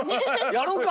やろうか！